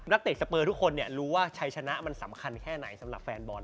เตะสเปอร์ทุกคนรู้ว่าชัยชนะมันสำคัญแค่ไหนสำหรับแฟนบอล